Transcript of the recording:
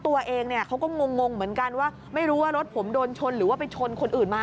ว่าไม่รู้ว่ารถผมโดนชนหรือว่าไปชนคนอื่นมา